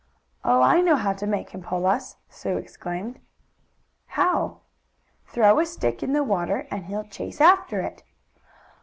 "Oh, I know how to make him pull us!" Sue exclaimed. "How?" "Throw a stick in the water, and he'll chase after it."